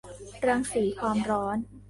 รังสีความร้อน